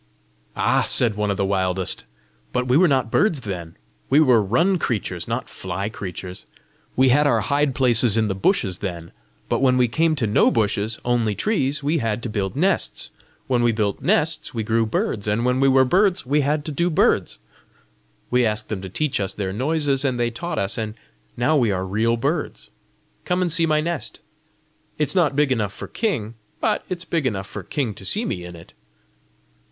"Ah," said one of the wildest, "but we were not birds then! We were run creatures, not fly creatures! We had our hide places in the bushes then; but when we came to no bushes, only trees, we had to build nests! When we built nests, we grew birds, and when we were birds, we had to do birds! We asked them to teach us their noises, and they taught us, and now we are real birds! Come and see my nest. It's not big enough for king, but it's big enough for king to see me in it!"